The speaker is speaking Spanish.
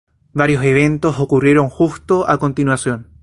Varios eventos ocurrieron justo a continuación.